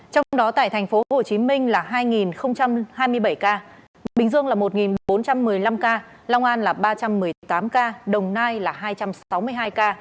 trong đó tại tp hcm là hai hai mươi bảy ca bình dương là một bốn trăm một mươi năm ca long an là ba trăm một mươi tám ca đồng nai là hai trăm sáu mươi hai ca